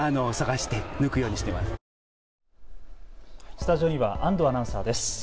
スタジオには安藤アナウンサーです。